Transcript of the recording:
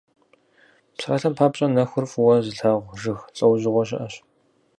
Псалъэм папщӀэ, нэхур фӀыуэ зылъагъу жыг лӀэужьыгъуэ щыӀэщ.